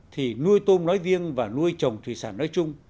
thì nuôi tôm nói riêng và nuôi trồng thủy sản nói chung